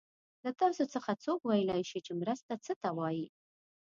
له تاسو څخه څوک ویلای شي چې مرسته څه ته وايي؟